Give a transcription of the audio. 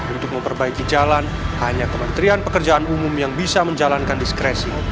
untuk memperbaiki jalan hanya kementerian pekerjaan umum yang bisa menjalankan diskresi